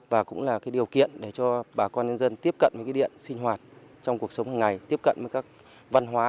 và cũng là điều kiện để cho bà con nhân dân tiếp cận với cái điện sinh hoạt trong cuộc sống hàng ngày tiếp cận với các văn hóa